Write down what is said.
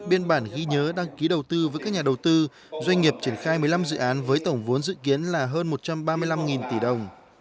biên bản ghi nhớ đăng ký đầu tư với các nhà đầu tư doanh nghiệp triển khai một mươi năm dự án với tổng vốn dự kiến là hơn một trăm ba mươi năm tỷ đồng